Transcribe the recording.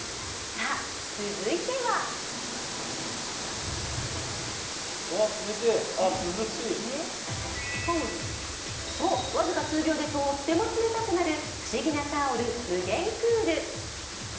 続いてはそう、僅か数秒でとっても冷たくなる不思議なタオル・夢ゲンクール。